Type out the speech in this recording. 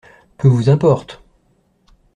Peu vous importe!